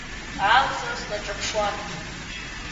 Амза снаҿаԥшуан.